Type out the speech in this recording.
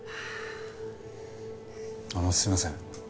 あのすいません。